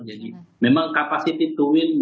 jadi memang kapasitas twin